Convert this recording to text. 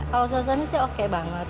kalau suasana sih oke banget